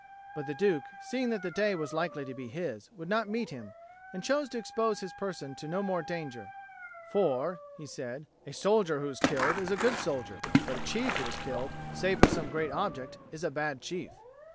But the Duke, seeing that the day was likely to be his, would not meet him and chose to expose his person to no more danger: "For," he said, "a soldier who is killed is a good soldier; but a chief who is killed save for some great object is a bad chief."